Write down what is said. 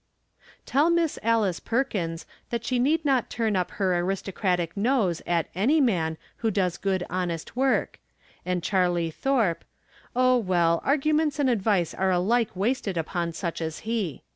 Tell Miss Alice Perkins that she need not turn' up her aristocratic nose at any man who does good honest work, and Charlie Thorpe — oh, well, arguments and advice are alike wasted upon such as he.